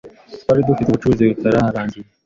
Twari dufite ubucuruzi butarangiye.